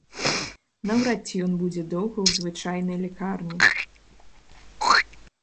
Наўрад ці ён будзе доўга ў звычайнай лякарні.